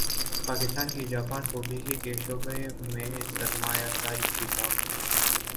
پاکستان کی جاپان کو بجلی کے شعبے میں سرمایہ کاری کی دعوت